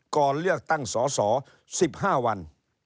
ก่อนเลือกตั้งสอสอ๑๕วัน